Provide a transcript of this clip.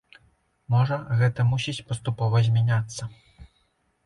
Можа, гэта мусіць паступова змяняцца.